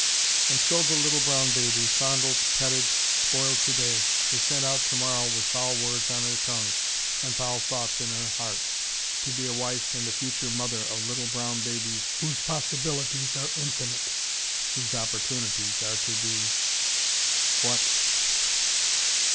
And so the little brown baby, fondled, petted, spoiled today, is sent out tomorrow with foul words on her tongue and foul thoughts in her heart, to be a wife and the future mother of little brown babies whose possibilities are infinite, whose opportunities are to be, what?